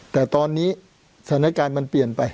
แต่ตอนนี้สถานการณ์มันเปลี่ยนไป